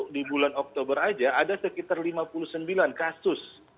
di bulan oktober aja ada sekitar lima puluh sembilan kasus